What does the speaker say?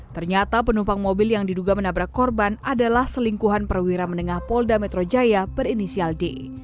ternyata penumpang mobil yang diduga menabrak korban adalah selingkuhan perwira menengah polda metro jaya berinisial d